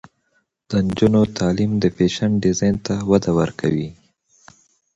د نجونو تعلیم د فیشن ډیزاین ته وده ورکوي.